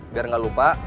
biar gak lupa